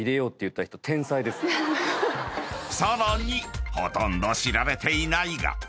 ［さらにほどんど知られていないが］